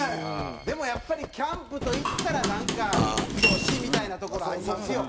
でもやっぱりキャンプといったらなんかヒロシみたいなところありますよ。